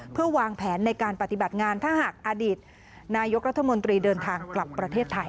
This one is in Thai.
เพื่อวางแผนในการปฏิบัติงานถ้าหากอดีตนายกรัฐมนตรีเดินทางกลับประเทศไทย